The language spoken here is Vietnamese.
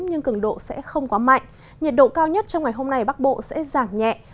nhưng cường độ sẽ không quá mạnh nhiệt độ cao nhất trong ngày hôm nay bắc bộ sẽ giảm nhẹ